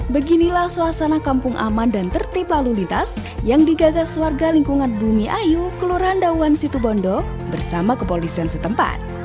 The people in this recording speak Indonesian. beginilah suasana kampung aman dan tertib lalu lintas yang digagas warga lingkungan bumi ayu kelurahan dawan situbondo bersama kepolisian setempat